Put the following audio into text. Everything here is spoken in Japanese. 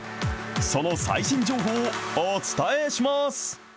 その最新情報をお伝えします。